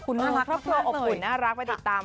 อบอุ่นน่ารักไปติดตาม